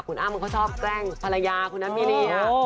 คุณอ้ำเขาชอบแกล้งภรรยาคุณนัทมินีฮะ